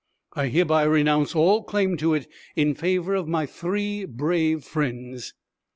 I hereby renounce all claim to it in favor of my three brave friends!'